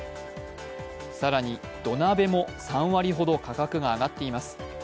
更に土鍋も３割ほど価格が上がっています。